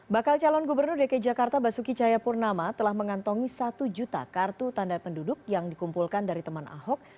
bakal calon gubernur dki jakarta basuki cayapurnama telah mengantongi satu juta kartu tanda penduduk yang dikumpulkan dari teman ahok